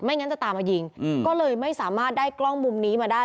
งั้นจะตามมายิงก็เลยไม่สามารถได้กล้องมุมนี้มาได้